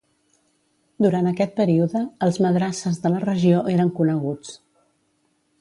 Durant aquest període, els madrasses de la regió eren coneguts.